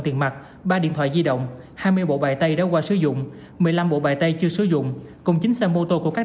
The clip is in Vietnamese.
tiền mặt ba điện thoại di động hai mươi bộ bài tay đã qua sử dụng một mươi năm bộ bài tay chưa sử dụng cùng chín xe mô tô của các